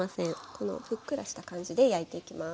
このふっくらした感じで焼いていきます。